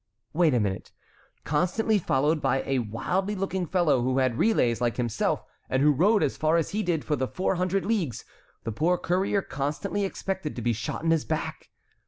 "Wait a minute. Constantly followed by a wild looking fellow who had relays like himself and who rode as far as he did for the four hundred leagues, the poor courier constantly expected to be shot in his back.